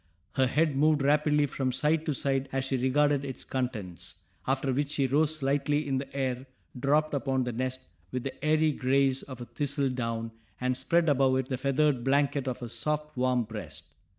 Her head moved rapidly from side to side as she regarded its contents, after which she rose lightly in the air, dropped upon the nest with the airy grace of a thistledown, and spread above it the feathered blanket of her soft, warm breast.